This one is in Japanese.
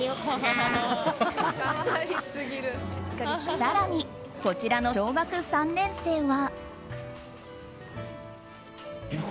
更に、こちらの小学３年生は。